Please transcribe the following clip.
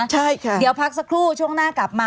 ใช่ค่ะเดี๋ยวพักสักครู่ช่วงหน้ากลับมา